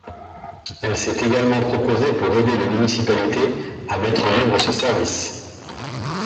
Elle s'est également proposée pour aider les municipalités à mettre en œuvre ce service.